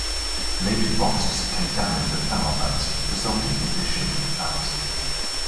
Late frosts can damage the flower buds, resulting in misshapen flowers.